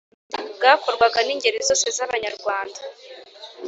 Bwakorwaga n’ingeri zose z’Abanyarwanda.